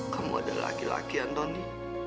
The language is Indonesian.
kamu adalah laki laki antoni